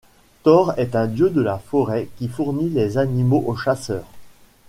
Tore est un dieu de la forêt qui fournit les animaux aux chasseurs.